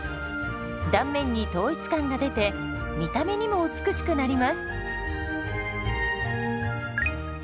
断面に統一感が出て見た目にも美しくなります。